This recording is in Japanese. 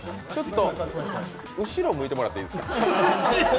ちょっと後ろ向いてもらっていいですか。